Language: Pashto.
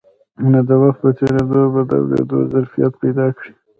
نو د وخت په تېرېدو به د اورېدو ظرفيت پيدا کړي.